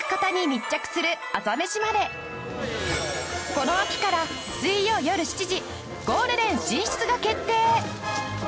この秋から水曜よる７時ゴールデン進出が決定！